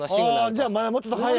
じゃあまだもうちょっと早い。